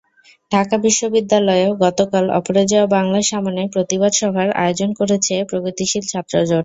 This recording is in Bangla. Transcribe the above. ঢাকা বিশ্ববিদ্যালয়েও গতকাল অপরাজেয় বাংলার সামনে প্রতিবাদ সভার আয়োজন করেছে প্রগতিশীল ছাত্রজোট।